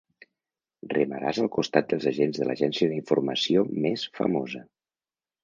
Remaràs al costat dels agents de l'agència d'informació més famosa.